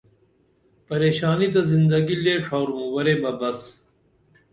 پریشانی تہ زندگی لے ڇھارُم ورے بہ بس